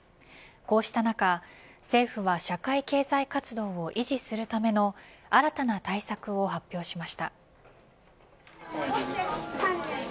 こうした中、政府は社会経済活動を維持するための新たな対策を発表しました。